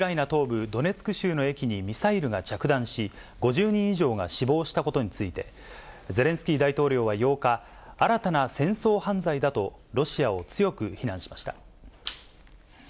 東部ドネツク州の駅にミサイルが着弾し、５０人以上が死亡したことについて、ゼレンスキー大統領は８日、新たな戦争犯罪だと、ロシアを強く非難しました。